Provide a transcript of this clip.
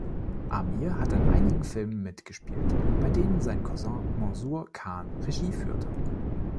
Aamir hat in einigen Filmen mitgespielt, bei denen sein Cousin Mansoor Khan Regie führte.